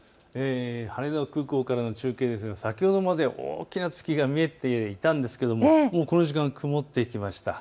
羽田空港からの中継ですが先ほどまで大きな月が見えていたんですけれどももうこの時間は曇ってきました。